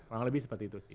kurang lebih seperti itu sih